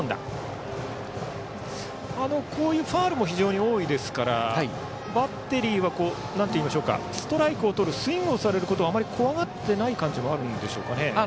こういうファウルも非常に多いですからバッテリーはストライクをとるスイングをされることはあまり怖がってない感じもあるでしょうか。